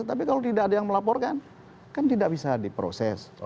tapi kalau tidak ada yang melaporkan kan tidak bisa diproses